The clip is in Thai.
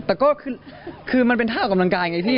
แต่ก็คือมันเป็นท่าออกกำลังกายไงพี่